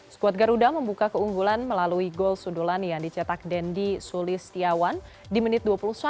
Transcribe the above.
skuad garuda membuka keunggulan melalui gol sudulani yang dicetak dendi sulistiawan di menit dua puluh satu